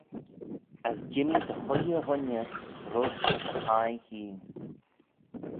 As jimmee dy chooilley ghooinney roish gys e hie hene.